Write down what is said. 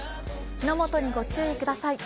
火の元にご注意ください。